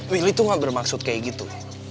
willy tuh gak bermaksud kayak gitu